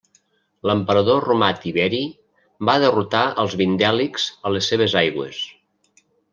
L'emperador romà Tiberi va derrotar els vindèlics a les seves aigües.